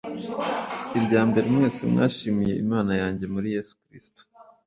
Irya mbere mwese mbashimiye Imana yanjye muri Yesu Kristo